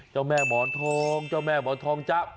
เจ้าแม่หมอนทองเจ้าแม่หมอนทองจ๊ะ